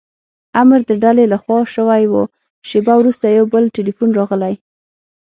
امر د ډلې له خوا شوی و، شېبه وروسته یو بل ټیلیفون راغلی.